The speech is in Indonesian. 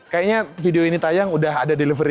kayaknya video ini tayang udah ada delivery